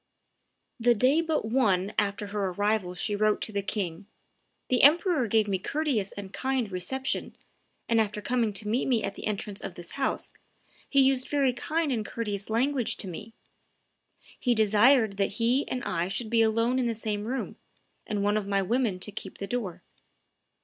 The day but one after her arrival she wrote to the king, "The emperor gave me courteous and kind reception, and, after coming to meet me at the entrance of this house, he used very kind and courteous language to me. He desired that he and I should be alone in the same room, and one of my women to keep the door.